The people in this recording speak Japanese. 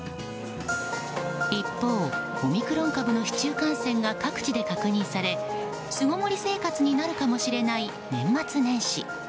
一方、オミクロン株の市中感染が各地で確認され巣ごもり生活になるかもしれない年末年始。